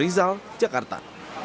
f rizal jakarta